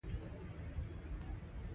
پردي خلک څه کوې